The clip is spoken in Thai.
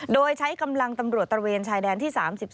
โดยใช้กำลังตำรวจตระเวนชายแดนที่๓๒